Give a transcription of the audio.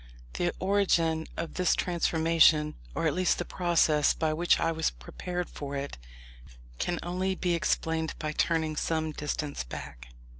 The origin of this transformation, or at least the process by which I was prepared for it, can only be explained by turning some distance back.